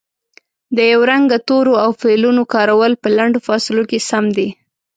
د یو رنګه تورو او فعلونو کارول په لنډو فاصلو کې سم نه دي